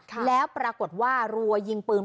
แล้วรั้งนี้พรากฏว่ารั้วเรือยิงปืน